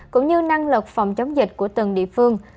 cũng như năng lực phòng chống dịch của từng địa phương